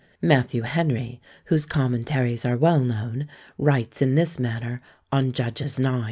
Matthew Henry, whose commentaries are well known, writes in this manner on Judges ix.